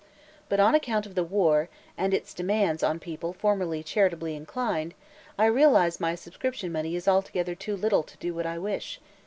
But on account of the war, and its demands on people formerly charitably inclined, I realize my subscription money is altogether too little to do what I wish.